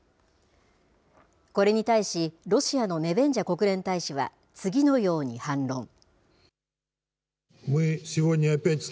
これに対し、ロシアのネベンジャ国連大使は、次のように反論。